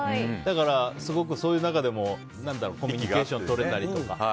だから、すごくそういう中でもコミュニケーションをとれたりとか。